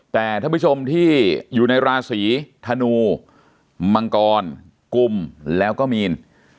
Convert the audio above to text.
แต่ท่านผู้ชมที่อยู่ในราศีธนูมังกรกุมแล้วก็มีน